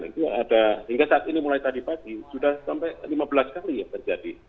itu ada hingga saat ini mulai tadi pagi sudah sampai lima belas kali yang terjadi